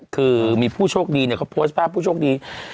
คือมีผู้โชคดีเนี่ยเขาโพสต์ภาพผู้โชคดี